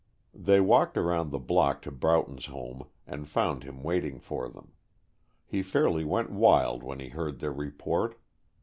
They walked around the block to Broughton's home, and found him waiting for them. He fairly went wild when he heard their report.